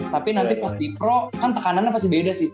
tapi nanti pas di pro kan tekanannya pasti beda sih